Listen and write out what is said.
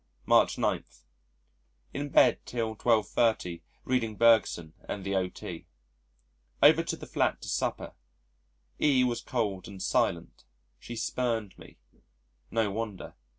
March 9. In bed till 12.30 reading Bergson and the O.T. Over to the flat to supper. E was cold and silent. She spurned me. No wonder.